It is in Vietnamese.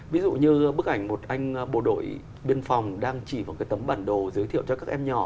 ví dụ như bức ảnh một anh bộ đội biên phòng đang chỉ một cái tấm bản đồ giới thiệu cho các em nhỏ